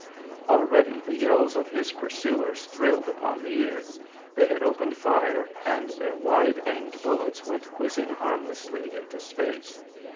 Already the yells of his pursuers thrilled upon the ear. They had opened fire, and their wide aimed bullets went whizzing harmlessly into space.